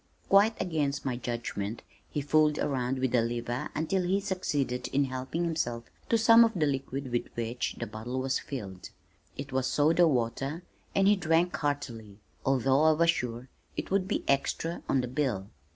Quite against my judgment he fooled around with the lever till he succeeded in helping himself to some of the liquid with which the bottle was filled. It was soda water and he drank heartily, although I was sure it would be extra on the bill.